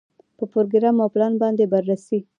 په پروګرام او پلان باندې بررسي.